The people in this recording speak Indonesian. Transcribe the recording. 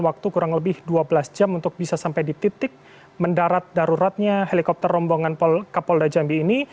waktu kurang lebih dua belas jam untuk bisa sampai di titik mendarat daruratnya helikopter rombongan kapolda jambi ini